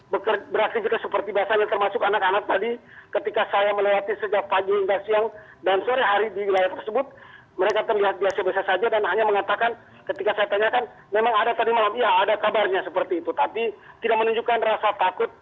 mereka terlihat biasa biasa saja dan hanya mengatakan ketika saya tanyakan memang ada tadi malam ya ada kabarnya seperti itu tapi tidak menunjukkan rasa takut